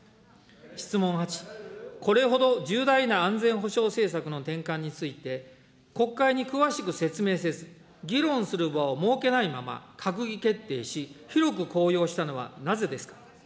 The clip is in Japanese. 質問８、これほど重大な安全保障政策の転換について、国会に詳しく説明せず、議論する場を設けないまま閣議決定し、広く公表したのはなぜですか。